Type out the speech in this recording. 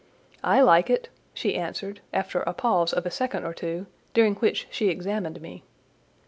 "I like it," she answered, after a pause of a second or two, during which she examined me.